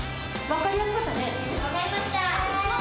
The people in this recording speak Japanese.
分かりました。